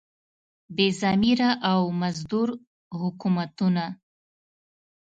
بې ضمیره او مزدور حکومتونه.